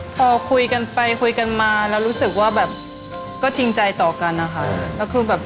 พอคุยกันไปคุยกันมาแล้วรู้สึกว่าแบบก็จริงใจต่อกันนะคะ